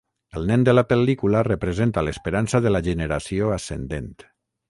El nen de la pel·lícula representa l'esperança de la generació ascendent.